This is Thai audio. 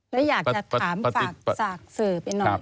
และอยากจะถามฝากสื่อไปหน่อย